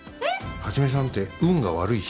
一さんって運が悪い人？